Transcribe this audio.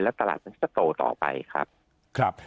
และตราบมันก็จะโตต่อไปครับ